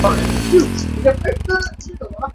葛氏似口虾蛄为虾蛄科似口虾蛄属下的一个种。